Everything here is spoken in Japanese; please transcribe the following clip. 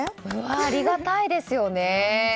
ありがたいですよね。